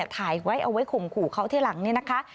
ถ่ายไว้เอาไว้ข่มขู่เขาที่หลังนี่นะคะ